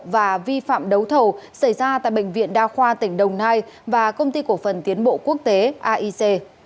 và vi phạm đấu thầu xảy ra tại bệnh viện đa khoa tỉnh đồng nai và công ty cổ phần tiến bộ quốc tế aic